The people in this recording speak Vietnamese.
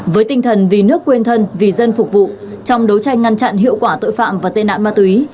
với tinh thần vì nước quên thân vì dân phục vụ trong đấu tranh ngăn chặn hiệu quả tội phạm và tên nạn ma túy